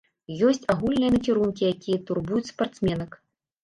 Ёсць агульныя накірункі, якія турбуюць спартсменак.